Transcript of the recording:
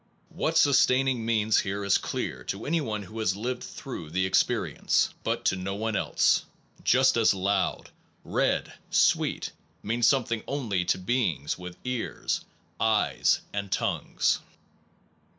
What sustaining means here is clear to anyone who has lived through the experience, but to no one else; just as loud, red, sweet, mean something only to NOVELTY AND CAUSATION beings with ears, eyes, and tongues.